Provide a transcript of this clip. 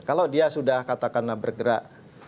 kalau dia sudah katakanlah bergerak